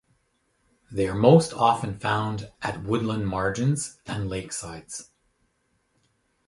They are most often found at woodland margins and lakesides.